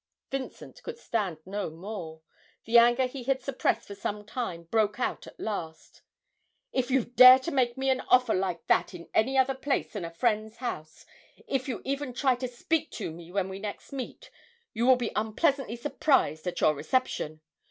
Vincent could stand no more; the anger he had suppressed for some time broke out at last. 'If you dare to make me an offer like that in any other place than a friend's house, if you even try to speak to me when we next meet, you will be unpleasantly surprised at your reception!